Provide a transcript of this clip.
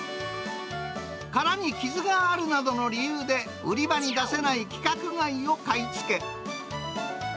殻に傷があるなどの理由で、売り場に出せない規格外を買い付け。